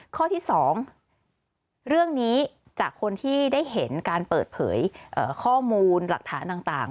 ข้อที่๒เรื่องนี้จากคนที่ได้เห็นการเปิดเผยข้อมูลหลักฐานต่าง